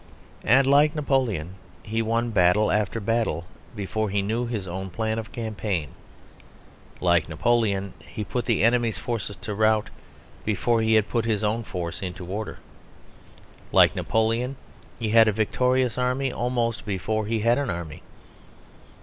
And, like Napoleon, he won battle after battle before he knew his own plan of campaign; like Napoleon, he put the enemies' forces to rout before he had put his own force into order. Like Napoleon, he had a victorious army almost before he had an army.